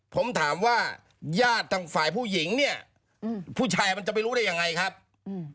ผมถามว่าญาติทางฝ่ายผู้หญิงเนี่ยอืมผู้ชายมันจะไปรู้ได้ยังไงครับอืม